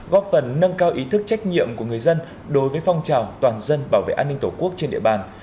góp phần nâng cao ý thức trách nhiệm của người dân đối với phong trào toàn dân bảo vệ an ninh tổ quốc trên địa bàn